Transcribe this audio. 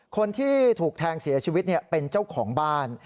คนที่ถูกแทงเสียชีวิตเป็นเจ้าของบ้าน